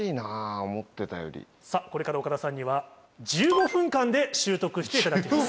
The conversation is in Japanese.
これから岡田さんには１５分間で習得していただきます。